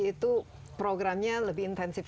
itu programnya lebih intensif